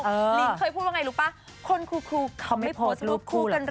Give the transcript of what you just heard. ลิ้นเคยพูดว่าไงรู้ป่ะคนครูเขาไม่โพสต์รูปคู่กันเหรอ